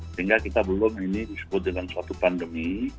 sehingga kita belum ini disebut dengan suatu pandemi